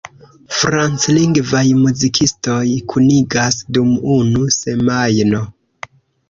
Franclingvaj muzikistoj kunigas dum unu semajno.